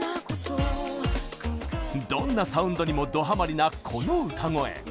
どんなサウンドにもドハマりなこの歌声。